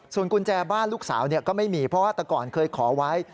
ส่วนกุญแจบ้านลูกสาวก็ไม่มีเพราะว่าแต่ก่อนเคยขอไว้